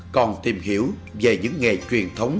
còn tìm hiểu về những nghề truyền thống